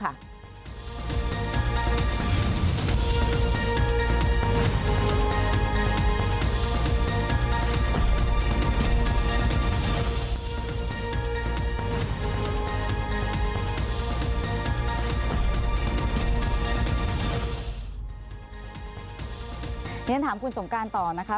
เพราะฉะนั้นถามคุณสงการต่อนะคะ